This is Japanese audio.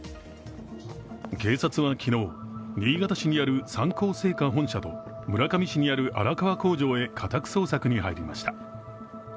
警察は昨日、新潟市にある三幸製菓本社と村上市にある荒川工場へ家宅捜索に入りました。